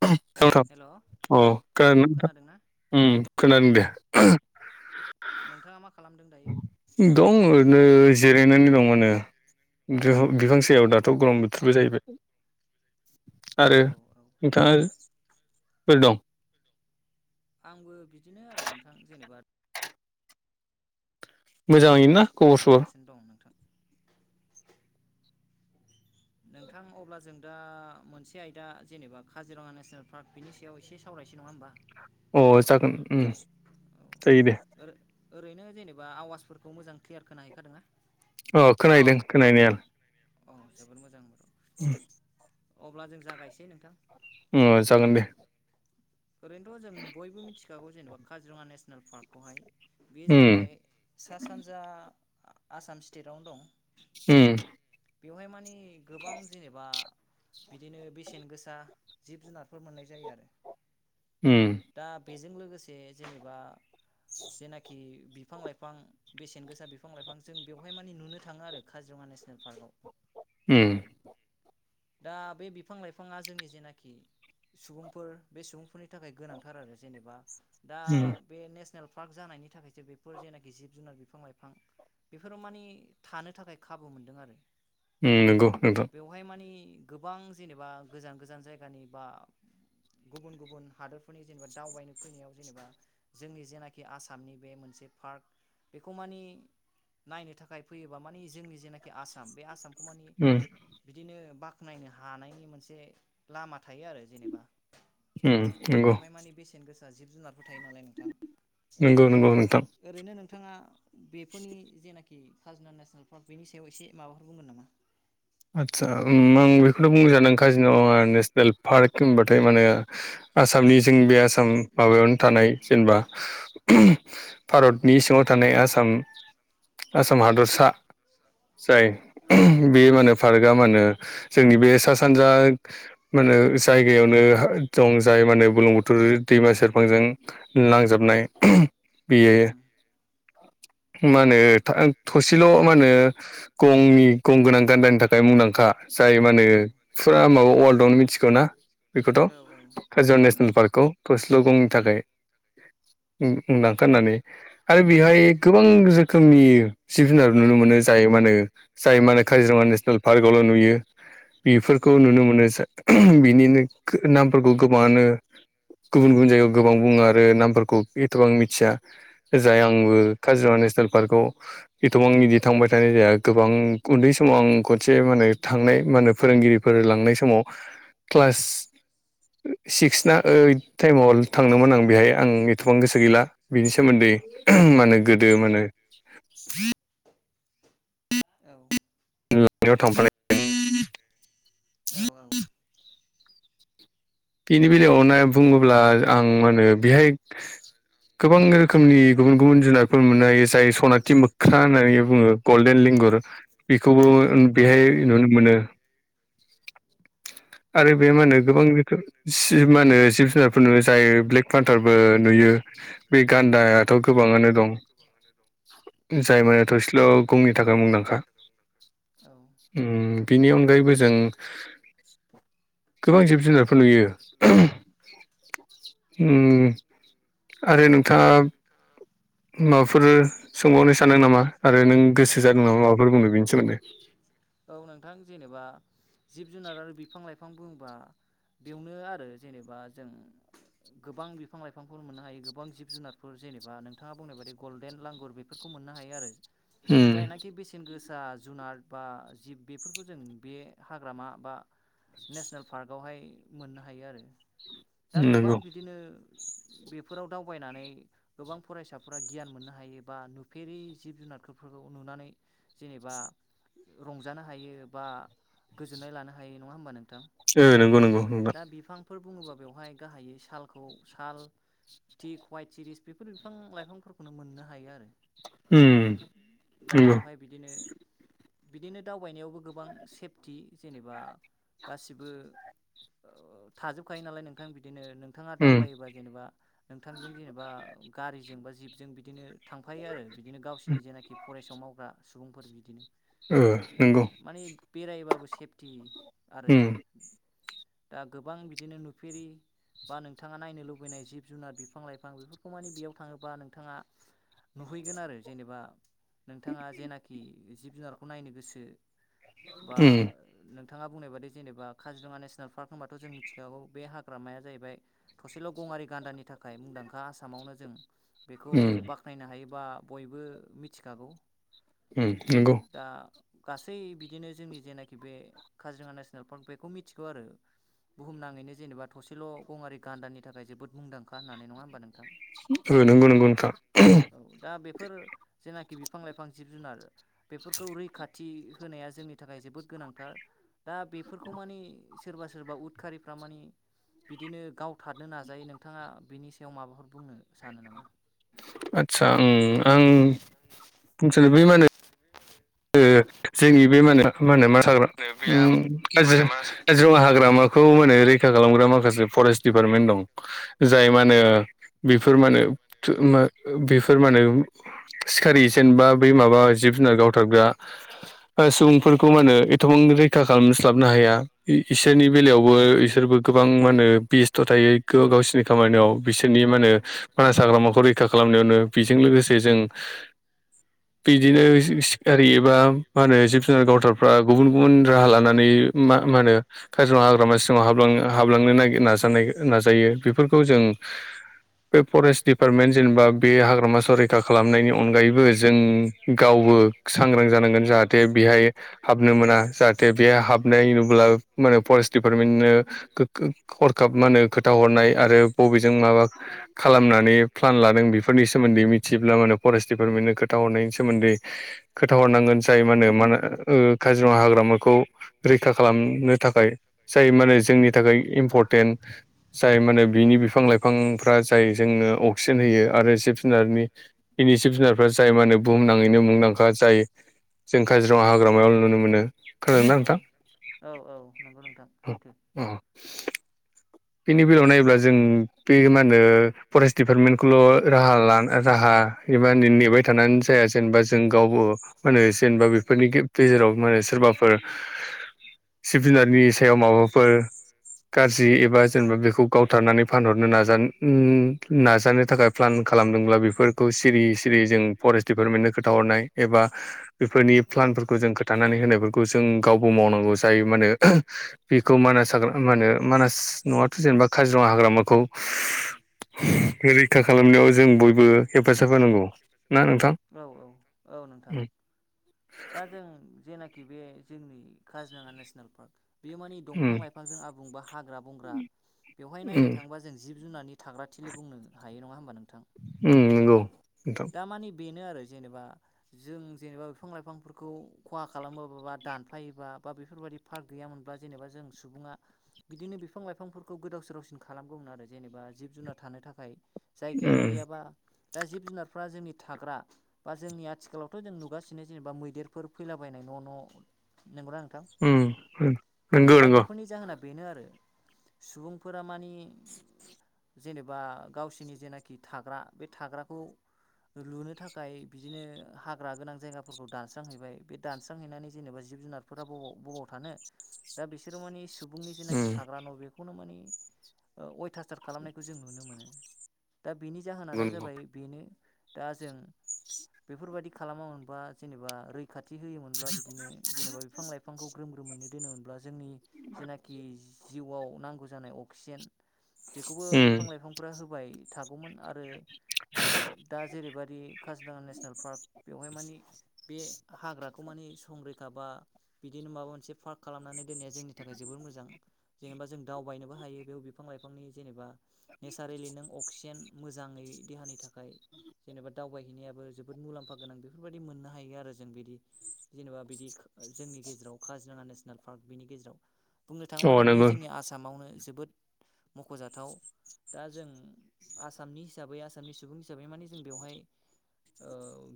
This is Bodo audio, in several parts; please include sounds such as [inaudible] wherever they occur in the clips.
[unintelligible] हेल' अ खोनादोंना उम खोनादों दे। औ नोंथाङा मा खालाम दं ओरैनो जिरायनानै दं। मा होनो बिफां बिफां सायाव दाथ' गरम बोथोरबो जाहैबाय। आरो औ औ नोंथाङा बोरै दं। आंबो बिदिनो आरो नोंथां जेनेबा मोजाङै ना। खबर सबर इदिनो दं नोंथां। नोंथां अब्ला जों दा मोनसे आयदा जेनेबा काजिरङा नेसनेल पार्क बिनि सायाव एसे सावराय इसे नङा होमबा। अ' जागोन उम जायो दे। ओरैनो जेनेबा आवासफोरखौ मोजां क्लियार खोना हैखादों ना। अ' खोनाहैदों औ जोबोद मोजां खोनाहैनायालाय। अब्ला जों जागायसै नोंथां। उम ओ जागोन दे। ओरैनोथ' जों बयबो मिथिखागौ जेन'बा काजिरङा नेसनेल पार्कखौहाय। बे उम जाहैबाय सा सानजा आ आसाम स्टेटावनो दं। उम बेवहाय मानि गोबां जेनेबा बिदिनो बेसेन गोसा जिब जुनारफोर मोननाय जायो आरो। उम दा बेजों लोगोसे जेनेबा जेनाखि बिफां लाइफां बेसेन गोसा बिफां लाइफां जों बेवहाय माने नुनो थाङो आरो काजिरङा नेसनेल पार्कआव। उम दा बे बिफां लाइफाङा जोंनि जेनाखि सुबुंफोर बे सुबुंफोरनि थाखाय गोनांथार आरो जेनेबा दा बे नेस नेल पार्क जानायनि थाखायसो बेफोर जेनाखि जिब जुनार बिफां लाइफां बेफोराव मानि थानो थाखाय खाबु मोनदों आरो। उ नंगौ नोंथां। बेवहाय मानि गोबां जेनेबा गोजान गोजान जायगानि बा गुबुन गुबुन हादोरफोरनि जेनेबा दावबायनो फैनायाव जेनेबा जोंनि जेनाखि आसामनि बे मोन से पार्क बेखौ मानि नायनो थाखाय फैयोबा मानिजोंनि जेनाखि आसाम बे आसाम मानि उम बिदिनो बाख्नायनो हानायनि मोनसे लामा थायो आरो जेनेबा। उ नंगौ। दा जिब जुनारफोर थायो नालाय नोंथां नंगौ नंगौ नोंथां ओरैनो नोंथाङा बेफोरनि जेनाखि खाजोन नेसनेल पार्क बेनि सायाव एसे माबाफोर बुंगोन नामा? आदसा उ आं बेखौथ' बुंनोजानो काजि नावा नेसनेल पार्क होनबाथाय माने आसामनि जों बे आसाम माबायावनो थानाय जेनेबा। भारतनि सिङाव थानाय आसाम। आसाम हादरसा जाय बे माने। पार्क म जोंनि बे सा सानजा मे जायगायावनो दं जाय। माने बुलुं बुथोर दैमा सेरफांजों नांजाबनाय। बि ए उम मा होनो थसेल' मा होनो गंनि गं गोनां गान्दानि थाखाय खाय मुंदांखा जायो म होनो औ फुरा माबा वर््डआवनो मिथिगौ ना बेखौथ' औ काजिर नेसनेल औ पार्कखौस ्लगंनि थाखाय मुंदांखानानै आरो औ बेहाय नोंथां गोबां जोम नि सिब जुनार नुनो मोनो जाय माने जाय माने काजिरङा नेसनेल। पार्कआवल' नुयो। उम बेफोरखौ नुनो मोनो बिनिनो नामफोरखौ गोबाङानो। गुबुन गुबुन जायगायाव गोबां बुङो आरो नामफोरखौ एथबां मिथिया जाय उम आंबो काजिरङानि नेसनेल पार्कआव एथबां बिदि थांबाय थानाय जाया गोबां उन्दै समाव आं ख मोनसे माने थांनाय मा होनो फोरोंगिरिफोर लांनाय समाव क्लास। सिक्स ना ओइद टाइमावल थांदोंमोन आं बेहाय आं एथ'बां गोसो गैला बिनि सोमोन्दै। माने गोदो माने। औ म थामफ [unintelligible] औ औ बेनि बेलायाव होननाय बुङोब्ला आं मा होनो बेहाय गोबां रोखोमनि गुबुन गुबुन जुनारफोर मोननो हायो जाय सनाथि मोख्रा होननानै बुङो गल्डेन लिं सिंगुर बेखौबो औ बेहाय नुनो मोनो। आरो बे मा होनो गोबां जिब मा होनो जिब जुनारफोरनो जायो ब्लेक फानथारबो नुयो बे औ गान्दायाथ' गोबाङानो दं। औ जाय माने थसेल' गंनि थाखाय मुंदांखा। उ- बिनि अनगायैबो जों गोबां जिब जुनारफोर नुयो। आरो नोंथाङा उ- माबाफोर सोंबावनो सानदों नामा आरो नों गोसो जादों नामा माबाफोर बुंनो बेनि सोमोन्दै। औ नोंथां जेनेबा। जिब जुनार आरो बिफां लाइफां बुबा बेवनो आरो जेनेबा जों गोबां बिफां लाइफांफोर मोननो हायो गोबां जिब जुनारफोर जेनेबा नोंथाङा बुंनाय बाददि गल्डेन लांगुर बेफोरखौ मोननो हायो आरो उम जायनाखि बेसेन गोसा फसा जुनार बा जिब बेफोरखौ जों बे हाग्रामा बा नेसनेल पार्कआवहाय मोननो हायो आरो दा गोबां नंगौ बिदिनो बेफोराव दावबायनानै गोबां फरायसाफोरा। गियान मोननो हायो बा नुफेरै जिब जुनारफोरखौ नुनानै जेनेबा रंजानो हायो बा गोजोननाय लानो हायो नङा होमबा नों औ नंगौ नंगौ नों बुङोबा बेवहाय गाहाय सालखौ साल थिक हवाइट सिरिस बेफोर बिफां लाइफांफोरखौ मोननो हायो आरो। उम दा नंगौ बेवहाय बिदिनो बिदिनो दावबायनायावबो गोबां सेफथि जेनेबा गासिबो थाजोबखायो नालाय नोंथां बिदिनो। नोंथाङा उम दावबायोबा जेनेबा नोंथांजों जेनेबा गारिजों बा जिबजों बिदिनो। थांफायो आरो बिदिनो गावसिोरनि जेनाखि फरेस्टआव मावग्रा सुबुंफोर बिदिनो। ओ नंगौ माने बेरायबाबो सेफटि आरो। उम दा गोबां बिदिनो नुफेरि बा नोंथाङा नायनो लुबैनाय जिब जुनार बिफां लाइफां बेफोरखौ मानिे बेयाव थाङोबाों नोंथाङा नुहैगोन आरो जेनेबा नोंथाङा जेनाखि जिब जुनारखौ नायनो गोसो बा उम नोंथाङा बुंनाय बायदि जेनेब काजिरङा नेसनेल पार्क होनबाथ' जों मिथिखागौ बे हाग्रामाया जाहै थसेल' गं आरि गान्दानि थाखाय मुंदांखा आसामावनो जों बेखौ उम बाख्नायनो हायोबा बयबो मिथिखागौ उम नंगौ दा गासै बिदिनो जोंनि जेनाखि बे काजिरङा नेसनेल पार्क बेखौ मिथिगौ आरो बुहुमनाङैनो जेनेबा थसेल' गंआरि गान्दानि थाखाय जोबोद मुंदांखा होननानै नङा होमबा नोंथां अ‌ नंगौ नंगौ नोंथां औ दा बेफोर जेनाखि बिफां लाइफां जिब जुनार बेफोरखौ रैखाथि होनाया जोंनि थाखाय जोबोद गोनांथार दा बेफोरखौ माने सोरबा सोरबा उदखारिफ्रा माने बिदिनो गावथारनो नाजायो नोंथाङा बिनि सायाव माबाफोर बुंनो सानो नामा आदसा आं आं [unintelligible] बै माने जोंनि बे मानो मा होनो मा हाग्रा काजिरङा हाग्रा हाग्रामाखौ माने रैखा खालामग्रा माखासे फरेस्ट दिडपार्टमेन्ट दं जाय मा होने बेफोर औ माने [unintelligible] बेफोर माने सिखारि जेनबा बै माबा जिब जुनार गावथारग्रा सुबुंफोरखौ मा होनो एथबां रैखा खालामस्लाबनो हाया इसोरनि बेलायावबो इसोरबो गोबां मानो होन बेस्थ' थायो गावसोरनि खामानियाव बिसोरनि मा होनो औ मानास हाग्रामाखौ रैखा खालामनायावनो बेजों लोगोसे जों बिदिनो बे बा मा होनो जिब जुन गावथारफ्रा गुबुन गुबुन राहा लानानै मा होनो काजिरङा हाग्रा सिङाव हाबांनो हाबलांनो नाग नाजानाय नाजायो बेफोरखौ जों बे फरेस्ट दिडिपार्टमेन्ट जेनेबा बे हाग्रामा सरैखा खालामनायनि अनगायैबो जों गावबो सांग्रां जानांगोन जाहाथे बेहाय हाबनो मोना जाहाथे बेहाय हाबनाय नुब्ला माने फरे दिपार मेन्मनो‌ हरखाब मा होनो खोथा हरनाय आरो बबेजों माबा [unintelligible] खालामनानै प्लान लादों बेफोरनि सोमोन्दै मिथियोब्ला माने फरेस्ट दिपार्टमेन्टनो खोथा हरनायनि सोमोन्दै खोनथााहरनांगोन जाय माने माने काजिरङा हाग्रामाखौ रैखा खालामनो थाखाय जाय माने जोंनि थाखाय इम्परटेन्ट जाय माने बिनि बिफां लाइफां फ्रा जाय जोंनो अक्सिजेन होयो आरो जिब जुनारनिनि जिब जुनारफ्रा जाय मान होनो बुहुमनाङैनो मुंदांखा जाय जों काजिरङा हाग्रामायाव नुनो मोनो खोनादोंना‌ नोंथां औ औ नंगौ नोंथां सैथो अ बेनि बेलायाव नायोब्ला जों बे मा होनो फरेस्ट दिडपार्टमेन्टखौल' राहा ला राहा [unintelligible] नेबाय थानानै जाया जेनेबा जों गावबो मा होनो जेनेबा बेफोरनि गेजेराव माने सोरबाफोर जिब जुनारनि सायाव माबाफोर गाज्रि एबा जेनेबा बेखौ गावथारनानै फानहरनो न नाजानो थाखाय प्लान खालामदोंब्ला बेफोरखौ सिरि सिरि जों फरेस्ट दिडपार्टमेन्टनो खोथा हरनाय एबा बेफोरनि प्लानफोरखौ जों खोनथानानै होनाय बेफोरखौ जों गावबो मावनांगौ जायो मा होनो बेखौ मान मा होनो मानास। न'आथ' जेनेबा काजिरङा हाग्रामाखौ रैखा खालामनायाव जों बयबो हेफाजाब होनांगौ ना नोंथां। औ औ औ नोंथां दा जों जेनाखि बे जोंनि काजिरङा नेसनेल पार्क बेयो माने उम दंफां लाइफांजों आबुंबा हाग्रा बंग्रा बेवहाय उम नायनो थाङोबा जों जिब जुनारनि थाग्रा थिलि बुंनो हायो नङा होमबा नोंथां उम नंगौ नोंथां दामानि बेनो आरो जेनेबा जों जेनेबा बिफां लाइफांफोरखौ खहा खालामोबा दानफायोबा बा बेफोरबाददि पार्क गैयामोनब्ला जेनेबा जों सुबुङा बिदिनो बिफां लाइफांफोरखौ गोदाव सोरावसिन खालामगौमोन आरो जेनेबा जिब जुनार थानो थाखाय जायगायानो उम गैयाबा दा जिब जुनार फा जोंनि थाग्रा बा जोंनि आथिखालावथ' जों नुगासिनो जेनेबा मैदेरफोर फैलाबायनाय न' न' नंगौ उ उ नंगौ नंगौ जाहोना बेनो आरो सुबुंफोरा मानि जेनेबा गावसिनि जेनाखि थाग्रा बे थाग्राखौ लुनो थाखाय बिदिनो हाग्रा गोनां जायगाफोरखौ दानस्रांहैबाय बे दानस्रांहैनानै जेनेबा जिब जुनार बबाव बबाव दा बिसोर माने सुबुंनि जेनाखि उम थाग्रा न' बेखौनो मानि अयथासार खालामनायखौ जों नुनो मोनो। दा बेनि जाहोनानो नंगौ जाबाय बेनो दा जों बेफोरबायाददि खालामा मोनबा जेनेबा रैखाथि खाथि होयोमोनब्ला बिदिनो जेनेबा बिफां लाइफांखौ ग्रोम रोमैनो दोनोमोनब्ला जोंनि जेनाखि जिउआव नांगौ जानाय अक्सिजेन बेखौबो उम बिफां लाइफांफ्रा होबाय थागौमोन आरो [inaudible] दा जेरैबायदि काजिरंङा नेसनेल पार्क बेवहाय मानि बे हाग्राखौ मानिे सङ। थाबा बिदिनो माबा मोनसे दोननाया जोंनि थाखाय जोबोर मोजां जेनेबा जों दावबायनोबो हायो बेयाव बिफां लाइफांनि जेनेबा नेचारेलि नों अक्सिजेन मोजाङै देहानि थाखाय जेनेबा दावबायैनाय जोबोद मुलामफा गोनां बेफोर बायदि मोननो हायो आरो जों बिदि जोंनि गेजेराव। ङा नेसनेल पार्क बिनि गेजेराव बुंनो अ थाङोबाथ' बेयो नंगौ जोंनि आसामावनो जोबोद मख'जाथाव दा जों आसामनि हिसाबै आसामनि सुबुं हिसाबै माने जों बेवहाय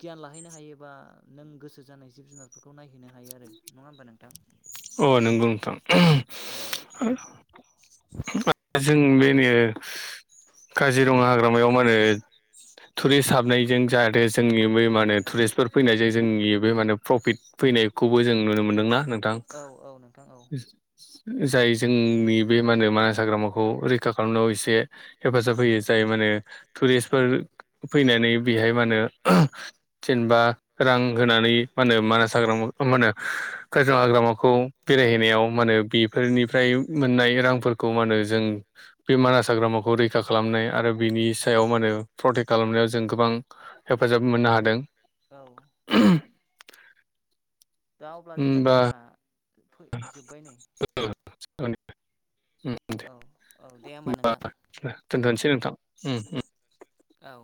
गियान लाहैनो हायो बा नों गोसो जानाय जिब जुनारफोरखौ नायहैनो हायो आरो नङा होमब नो नोंथां अ नंगौ नोंथां औ जों बे काजिरङा हाग्रामायाव मा होनो टुरिस्ट हाबनायजों जाहाथे जोंनि बे माने टुरिस्टफोर फैनायजों जोंनि बे माने प्रफिट फैनायखौबो जों नुनो मोनदोंना। नोंथां औ औ नोंथां औ जाय जोंनि बे माने मानास हाग्रामाखौ रैखा खालामनायाव एसे हेफाजाब होयो जाय माने टरेसफोर फैनानै बेहाय मा होनो जेनेबा रां नानै मा होनो मासाग्राम' मा होनो खैजो हाग्रा म' खौ बेरायहैनायाव मा होनो बेफोरनिफ्राय मोननाय रांफोरखौ मा होनो जों बे हाग्रामाखौ रैखा खालामनाय आरो बिनि सायाव मा होनो प्रटेक्ट खालामनायाव जों गोबां हेफाजाब मोनो। मोननो हादों। औ दा अब्ला जोंना होमबा टाइमा फै जोबबाय नै [unintelligible] औ औ दे होमबा नोंथां दोनथ'नोसै नोंथां ओम ओम औ।